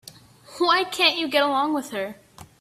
Why can't you get along with her?